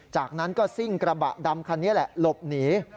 จากนั้นก็ซิ่งกระบะดำคันนี้แหละหลบหนี